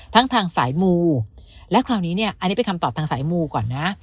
ทั้งทางสายมูและคราวนี้เนี่ยอันนี้เป็นคำตอบทางสายมูก่อนนะ